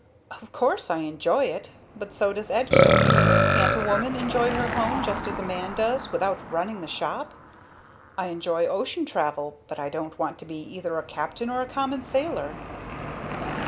"Of course I enjoy it, but so does Edgar. Can't a woman enjoy her home, just as a man does, without running the shop? I enjoy ocean travel, but I don't want to be either a captain or a common sailor!"